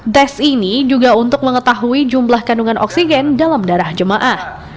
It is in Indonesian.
tes ini juga untuk mengetahui jumlah kandungan oksigen dalam darah jemaah